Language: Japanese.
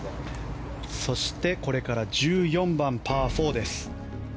そして、これから１４番パー４です。